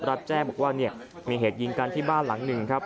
รับแจ้งบอกว่าเนี่ยมีเหตุยิงกันที่บ้านหลังหนึ่งครับ